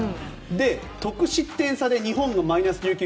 得失点差で日本がマイナス１９